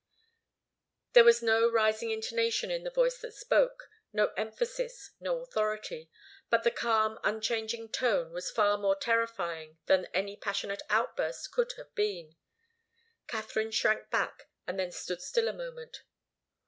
There was no rising intonation in the voice that spoke, no emphasis, no authority. But the calm, unchanging tone was far more terrifying than any passionate outburst could have been. Katharine shrank back, and then stood still a moment.